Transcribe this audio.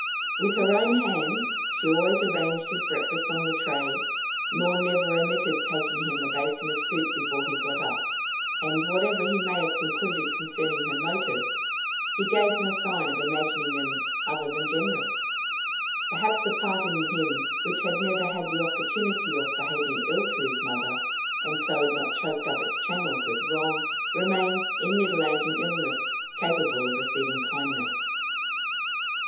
With her own hands she always arranged his breakfast on the tray, nor never omitted taking him a basin of soup before he got up; and, whatever he may have concluded concerning her motives, he gave no sign of imagining them other than generous. Perhaps the part in him which had never had the opportunity of behaving ill to his mother, and so had not choked up its channels with wrong, remained, in middle age and illness, capable of receiving kindness.